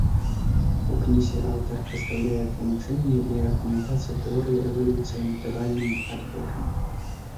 У кнізе аўтар прадстаўляе тлумачэнне і аргументацыю тэорыі эвалюцыі натуральным адборам.